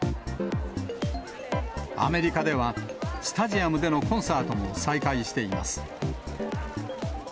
アメリカでは、スタジアムでのコンサートも再開しています。